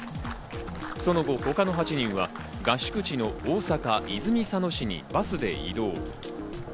その後、他の８人は合宿地の大阪・泉佐野市にバスで移動。